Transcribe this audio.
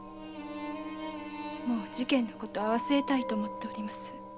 事件の事は忘れたいと思っております。